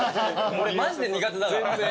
俺マジで苦手だから。